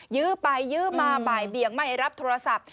ยื้อไปยื้อมาบ่ายเบียงไม่รับโทรศัพท์